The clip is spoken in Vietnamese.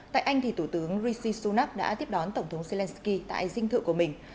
tại anh thì thủ tướng rishi sunak đã tiếp đón tổng thống zelensky tại dinh thự của mình